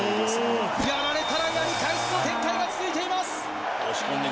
やられたらやり返すの展開が続いています。